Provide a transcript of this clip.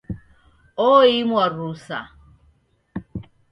Oimwa rusa.